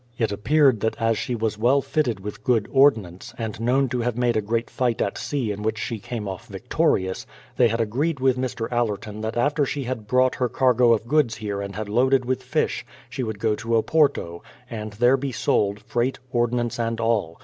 It appeared that as she was well fitted with good ordnance, and known to have made a great fight at sea in which she came off vic torious, they had agreed with Mr. Allerton that after she had brought her cargo of goods here and had loaded with fish, she would go to Oporto, and there be sold, freight, ordnance, and all.